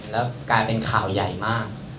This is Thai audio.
แล้วกลายเป็นข่าวใหญ่มาก